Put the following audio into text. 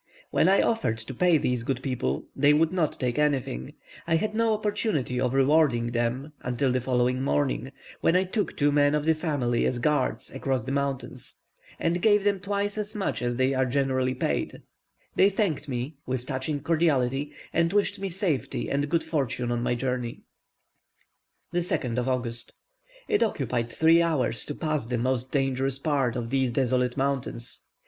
When I offered to pay these good people, they would not take anything; I had no opportunity of rewarding them until the following morning, when I took two men of the family as guard across the mountains, and gave them twice as much as they are generally paid; they thanked me, with touching cordiality, and wished me safety and good fortune on my journey. 2nd August. It occupied three hours to pass the most dangerous part of these desolate mountains.